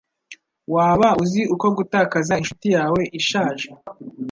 Waba uzi uko gutakaza inshuti yawe ishaje?